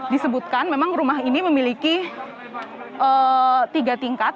disebutkan memang rumah ini memiliki tiga tingkat